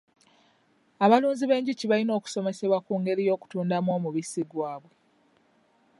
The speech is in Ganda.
Abalunzi b'enjuki balina okusomesebwa ku ngeri y'okutundamu omubisi gwabwe.